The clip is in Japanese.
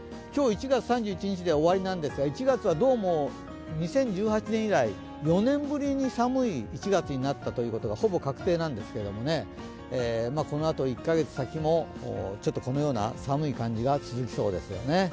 今日、１月３１日で終わりなんですが１月はどうも２０１８年以来、４年ぶりに寒い１月になったのがほぼ確定なんですけれどもこのあと１カ月先もちょっとこのような寒い感じが続きそうですよね。